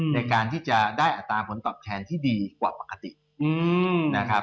ในการที่จะได้อัตราผลตอบแทนที่ดีกว่าปกตินะครับ